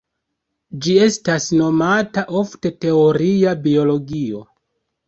Ĝi estas nomata ofte "Teoria biologio".